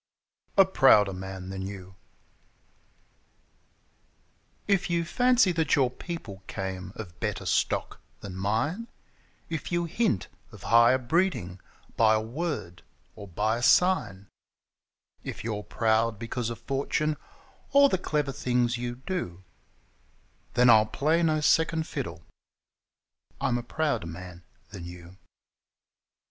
A Prouder Man Than You If you fancy that your people came of better stock than mine, If you hint of higher breeding by a word or by a sign, If you're proud because of fortune or the clever things you do — Then I'll play no second fiddle: I'm a prouder man than you!